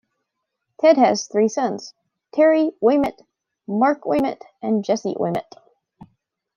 Ted has three sons: Terry Ouimet, Mark Ouimet and Jesse Ouimet.